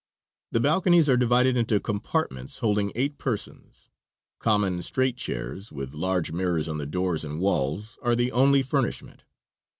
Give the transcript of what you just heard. The balconies are divided into compartments holding eight persons. Common, straight chairs, with large mirrors on the door and walls, are the only furnishment.